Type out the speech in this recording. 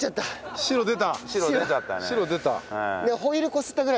白出た。